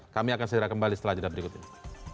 kami akan segera kembali setelah jeda berikut ini